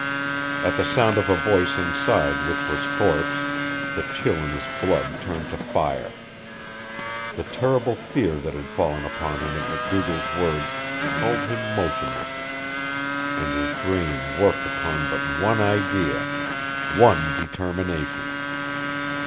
At the sound of a voice inside which was Thorpe's the chill in his blood turned to fire. The terrible fear that had fallen upon him at MacDougall's words held him motionless, and his brain worked upon but one idea one determination.